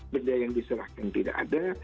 benda yang diserahkan tidak ada